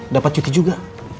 dapat cuci juga